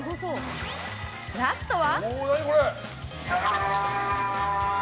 ラストは。